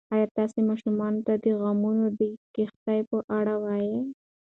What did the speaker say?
ایا تاسي ماشومانو ته د غنمو د کښت په اړه وایئ؟